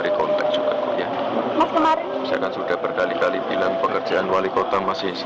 di kota solo sebagai wali kota